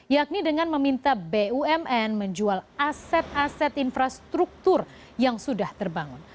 yakni dengan meminta bumn menjual aset aset infrastruktur yang sudah terbangun